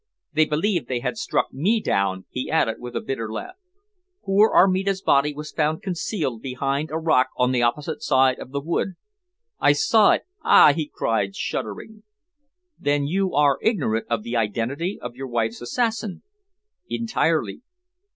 They believed they had struck me down," he added, with a bitter laugh. "Poor Armida's body was found concealed behind a rock on the opposite side of the wood. I saw it ah!" he cried shuddering. "Then you are ignorant of the identity of your wife's assassin?" "Entirely."